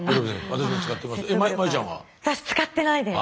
私使ってないです。